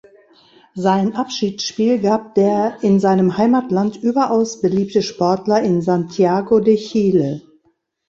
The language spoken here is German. Sein Abschiedsspiel gab der in seinem Heimatland überaus beliebte Sportler in Santiago de Chile.